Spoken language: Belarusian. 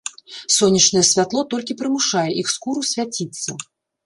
Сонечнае святло толькі прымушае іх скуру свяціцца.